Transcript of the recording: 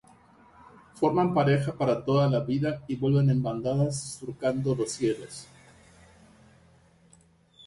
Forman pareja para toda la vida y vuelan en bandadas surcando los cielos.